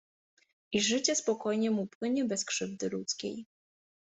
I życie spokojnie mu płynie bez krzywdy ludzkiej.